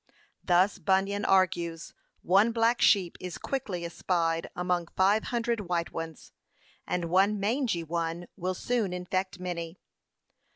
Thus Bunyan argues, 'One black sheep is quickly espied among five hundred white ones, and one mangey one will soon infect many.